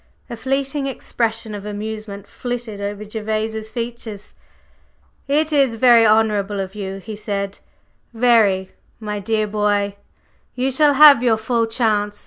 A fleeting expression of amusement flitted over Gervase's features. "It is very honorable of you," he said, "very! My dear boy, you shall have your full chance.